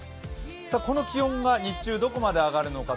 この気温が日中どこまで上がるのか